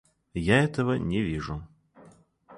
Я этого не вижу.